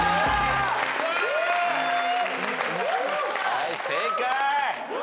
はい正解。